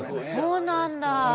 そうなんだ。